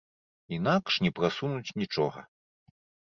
Інакш не прасунуць нічога.